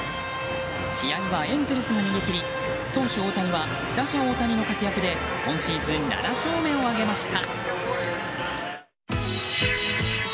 試合はエンゼルスが逃げ切り投手・大谷は打者・大谷の活躍で今シーズン７勝目を挙げました。